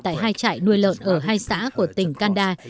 tại hai trại nuôi lợn ở hai xã của tỉnh kanda